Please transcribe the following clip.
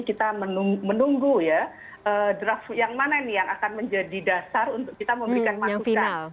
kita menunggu ya draft yang mana nih yang akan menjadi dasar untuk kita memberikan masukan